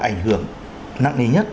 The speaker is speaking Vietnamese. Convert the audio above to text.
ảnh hưởng nặng ní nhất